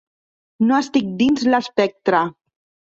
No estic dins l'espectre.